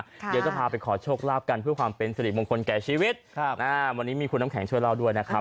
เดี๋ยวจะพาไปขอโชคลาภกันเพื่อความเป็นสิริมงคลแก่ชีวิตครับอ่าวันนี้มีคุณน้ำแข็งช่วยเล่าด้วยนะครับ